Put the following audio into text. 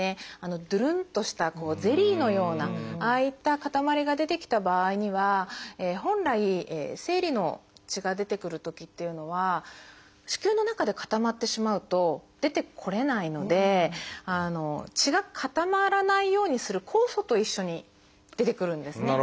ドゥルンとしたゼリーのようなああいった塊が出てきた場合には本来生理の血が出てくるときっていうのは子宮の中で固まってしまうと出てこれないので血が固まらないようにする酵素と一緒に出てくるんですね。